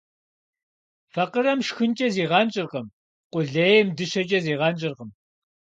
Факъырэм шхынкӏэ зигъэнщӏыркъым, къулейм дыщэкӏэ зигъэнщӏыркъым.